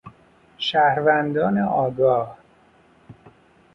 شهروندان آگاه